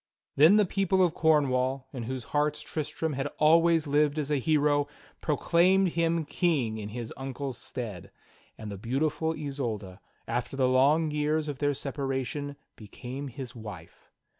Then the people of Cornwall, in whose hearts Tristram had always lived as a hero, proclaimed him King in his uncle's stead; and the beautiful Isolda, after the long j'cars of their separation, became his wife.